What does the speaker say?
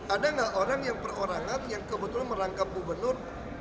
ada nggak orang yang perorangan yang kebetulan merangkap gubernur